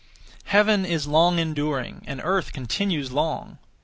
Heaven is long enduring and earth continues long.